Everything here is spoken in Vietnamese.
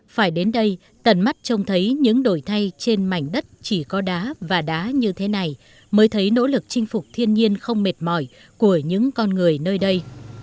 phải đến đây tận mắt trông thấy những đổi thay trên mảnh đất chỉ có đá và đá như thế này mới thấy nỗ lực chinh phục thiên nhiên không mệt mỏi của những con người nơi đây